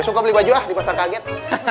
besok kau beli baju ah di pasar kaget